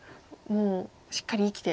もうしっかり生きて。